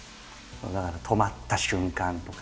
だから止まった瞬間とか。